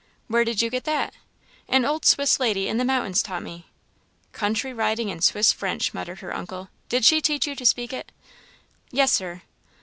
"Where did you get that?" "An old Swiss lady in the mountains taught me." "Country riding and Swiss French," muttered her uncle. "Did she teach you to speak it?" "Yes, Sir."